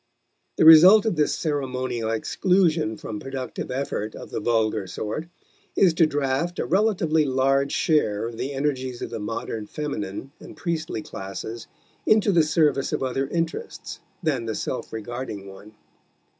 The result of this ceremonial exclusion from productive effort of the vulgar sort is to draft a relatively large share of the energies of the modern feminine and priestly classes into the service of other interests than the self regarding one.